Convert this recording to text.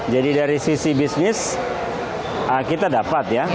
jadi dari sisi bisnis kita dapat ya